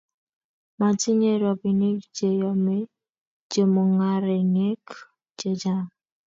matinyei robinik che yomei chemung'arenik che chang'.